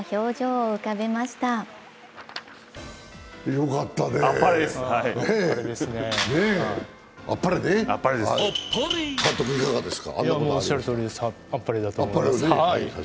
もうおっしゃるとおりですあっぱれだと思います。